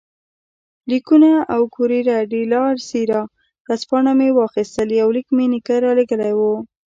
لیکونه او کوریره ډیلا سیرا ورځپاڼه مې واخیستل، یو لیک مې نیکه رالېږلی وو.